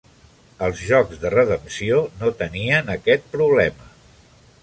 Els jocs de redempció no tenien aquest problema.